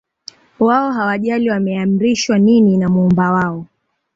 wao hawajali wameamrishwa nini na muumba wao